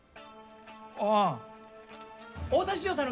ああ。